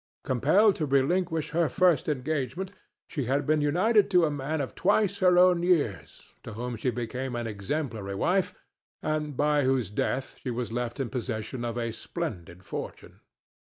Compelled to relinquish her first engagement, she had been united to a man of twice her own years, to whom she became an exemplary wife, and by whose death she was left in possession of a splendid fortune.